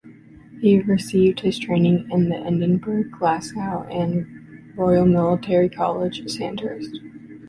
He received his training in Edinburgh, Glasgow, and the Royal Military College, Sandhurst.